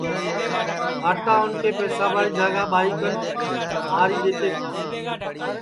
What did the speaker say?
آٹا اُن کے پساباڑی جھاگا ٻائی کن ماری دؔیتے تیے